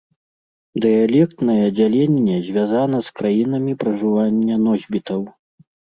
Дыялектнае дзяленне звязана з краінамі пражывання носьбітаў.